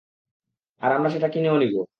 আর আমরা সেটা কিনেও নিব।